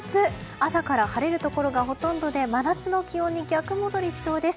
朝から晴れるところがほとんどで真夏の気温に逆戻りしそうです。